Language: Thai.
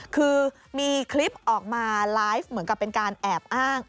คือมีคลิปออกมาไลฟ์เหมือนกับเป็นการแอบอ้าง